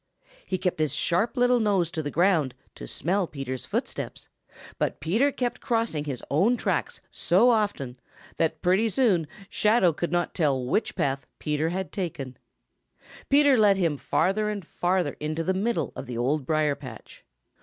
He kept his sharp little nose to the ground to smell Peter's footsteps, but Peter kept crossing his own tracks so often that pretty soon Shadow could not tell which path Peter had last taken. Peter led him farther and farther into the middle of the Old Briar patch.